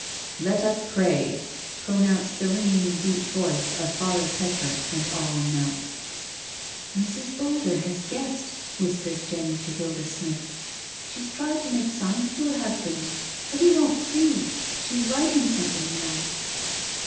" Let us pray," pronounced the ringing deep voice of Father Petre, and all knelt. " Mrs. Boulder has guessed," whispered Jenny to Hilda Smith. " She's tried to make signs to her hus band, but he won't see — she's writing something now."